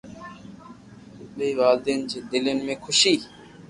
منهنجي ٻنهي والدين جي دلين ۾ خوشي